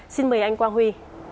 xin mời anh quang huy